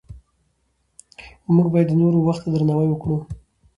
موږ باید د نورو وخت ته درناوی وکړو